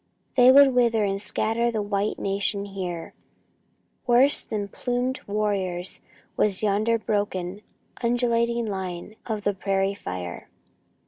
They would wither and scatter the white nation here! Worse than plumed warriors was yonder broken undulating line of the prairie fire.